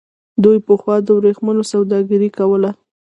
دوی پخوا د ورېښمو سوداګري کوله.